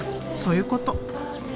そういうこと。